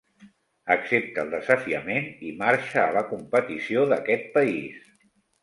Accepta el desafiament i marxa a la competició d'aquest país.